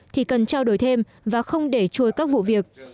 thì cần trao đổi thêm và không để trôi các vụ việc